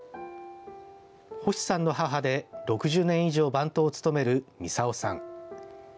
星さんの母で６０年以上番頭を務める操さん。